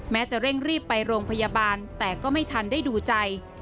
จะเร่งรีบไปโรงพยาบาลแต่ก็ไม่ทันได้ดูใจ